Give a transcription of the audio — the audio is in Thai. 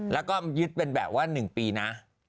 แล้วก็ยึดเป็นแบบว่า๑ปีนะ